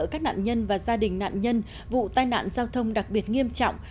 các nạn nhân và gia đình nạn nhân vụ tai nạn giao thông đặc biệt nghiêm trọng